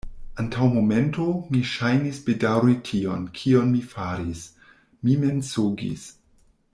Antaŭ momento, mi ŝajnis bedaŭri tion, kion mi faris: mi mensogis.